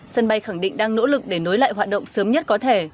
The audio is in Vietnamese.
sân bay khẳng định đang nỗ lực để nối lại hoạt động sớm nhất có thể